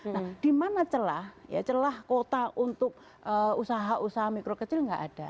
nah di mana celah ya celah kota untuk usaha usaha mikro kecil nggak ada